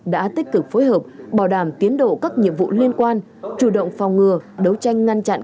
đã tích cực phối hợp bảo đảm tiến độ các nhiệm vụ liên quan chủ động phòng ngừa đấu tranh ngăn chặn